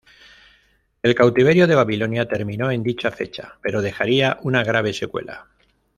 El Cautiverio de Babilonia terminó en dicha fecha, pero dejaría una grave secuela.